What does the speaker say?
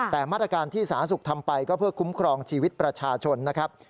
แต่มาตรการที่สาธารณสุขทำไปก็เพื่อคุ้มครองชีวิตประชาชนนะครับ